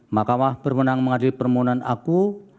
mahkamah berkenaan mengadili permohonan aku